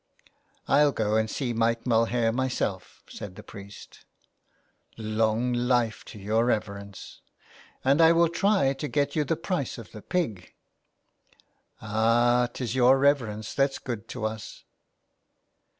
" I'll go and see Mike Mulhare myself," said the priest. " Long life to your reverence." " And I will try to get you the price of the pig." Ah, 'tis your reverence that's good to us."